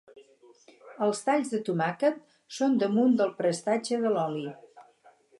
Els talls de tomàquet són damunt del prestatge de l'oli.